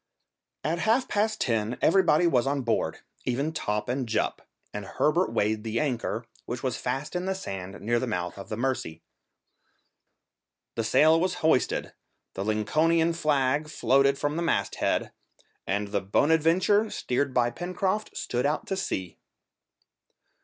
At half past ten everybody was on board, even Top and Jup, and Herbert weighed the anchor, which was fast in the sand near the mouth of the Mercy. The sail was hoisted, the Lincolnian flag floated from the mast head, and the Bonadventure, steered by Pencroft, stood out to sea.